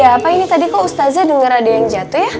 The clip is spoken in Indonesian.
ada apa ini tadi kok ustadznya denger ada yang jatuh ya